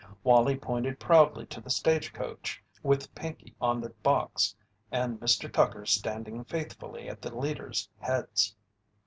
Wallie pointed proudly to the stage coach with Pinkey on the box and Mr. Tucker standing faithfully at the leaders' heads.